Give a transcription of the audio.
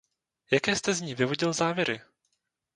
Jaké jste z ní vyvodil závěry?